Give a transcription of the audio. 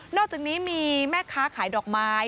อกจากนี้มีแม่ค้าขายดอกไม้